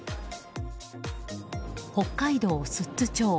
北海道寿都町。